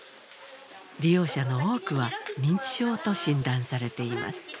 利用者の多くは認知症と診断されています。